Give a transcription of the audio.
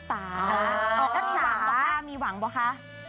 สาวฟ้ามีหวังเปล่าคะ